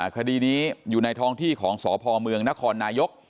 คดีนี้อยู่ในท้องที่ของสพเมืองนครนายก